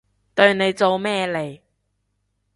對你做咩嚟？